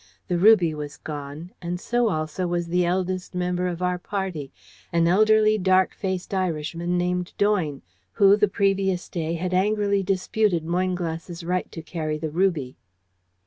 The ruby was gone, and, so, also, was the eldest member of our party an elderly dark faced Irishman named Doyne, who, the previous day, had angrily disputed Moynglass's right to carry the ruby.